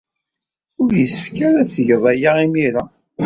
Ur yessefk ara ad tged aya imir-a.